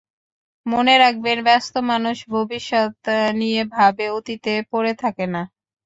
মনে রাখবেন, ব্যস্ত মানুষ ভবিষ্যত্ নিয়ে ভাবে, অতীতে পড়ে থাকে না।